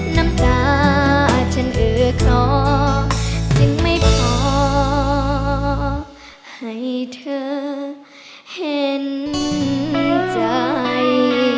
น้ำตาฉันเอือครอจึงไม่พอให้เธอเห็นใจ